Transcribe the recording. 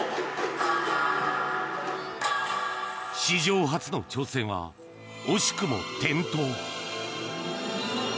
史上初の挑戦は惜しくも転倒。